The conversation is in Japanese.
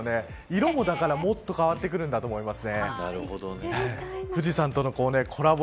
色も、だからもっと変わってくるんだと思います。